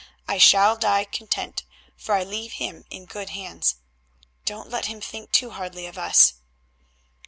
I shall die content, for I leave him in good hands. Don't let him think too hardly of us!"